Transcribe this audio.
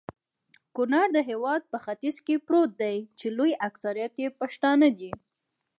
کونړ د هيواد په ختیځ کي پروت دي.چي لوي اکثريت يي پښتانه دي